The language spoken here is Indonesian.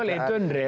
tentu lah itu andri